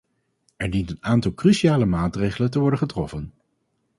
Er dient een aantal cruciale maatregelen te worden getroffen.